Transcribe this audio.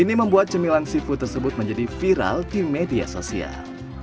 ini membuat cemilan seafood tersebut menjadi viral di media sosial